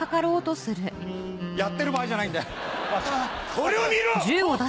これを見ろ！